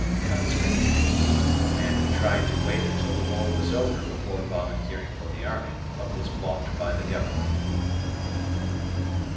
Conscript. A man who tried to wait until the war was over before volunteering for the army, but was balked by the Government.